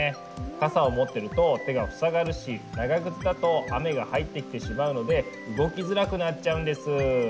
傘を持ってると手が塞がるし長靴だと雨が入ってきてしまうので動きづらくなっちゃうんです。